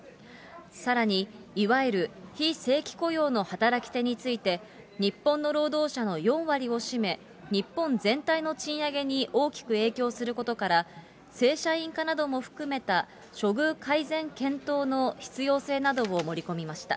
さらに、いわゆる非正規雇用の働き手について、日本の労働者の４割を占め、日本全体の賃上げに大きく影響することから、正社員化なども含めた処遇改善検討の必要性などを盛り込みました。